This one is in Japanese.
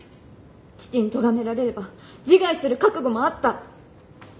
父にとがめられれば自害する覚悟もあった。